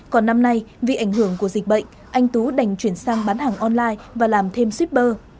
còn năm nay vì ảnh hưởng của dịch bệnh anh tú đành chuyển sang bán hàng online và làm thêm shipper